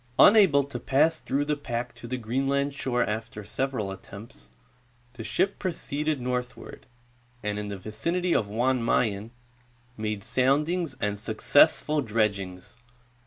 Unable to pass through the pack to the Greenland shore after several attempts, the ship proceeded northward, and in the vicinity of Jan Mayen made soundings and successful dredgings.